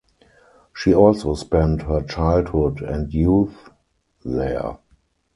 She also spent her childhood and youth there.